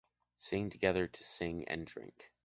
Sing together to sing and drink.